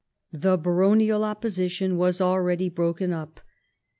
The baronial opposition was already broken up.